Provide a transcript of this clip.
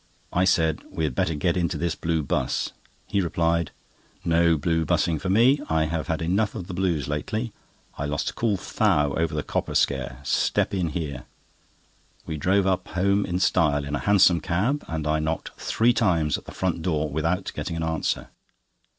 I said: "We had better get into this blue 'bus." He replied: "No blue bussing for me. I have had enough of the blues lately. I lost a cool 'thou' over the Copper Scare. Step in here." We drove up home in style, in a hansom cab, and I knocked three times at the front door without getting an answer.